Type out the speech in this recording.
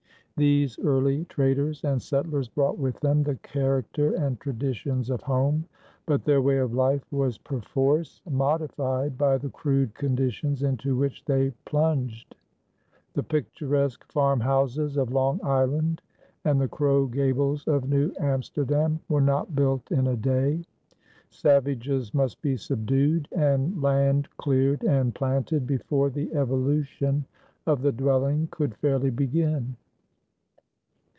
These early traders and settlers brought with them the character and traditions of home; but their way of life was perforce modified by the crude conditions into which they plunged. The picturesque farmhouses of Long Island and the crow gables of New Amsterdam were not built in a day. Savages must be subdued and land cleared and planted before the evolution of the dwelling could fairly begin.